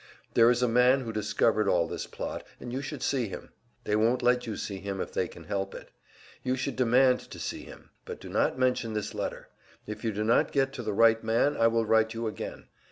There is a man who discovered all this plot, and you should see him. They won't let you see him if they can help it. You should demand to see him. But do not mention this letter. If you do not get to the right man, I will write you again.